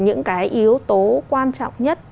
những cái yếu tố quan trọng nhất